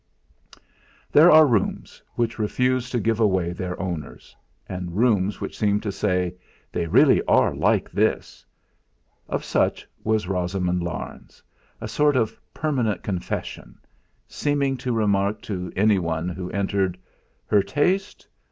3 There are rooms which refuse to give away their owners, and rooms which seem to say: 'They really are like this.' Of such was Rosamund Larne's a sort of permanent confession, seeming to remark to anyone who entered: 'Her taste?